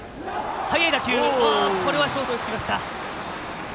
これはショート、追いつきました。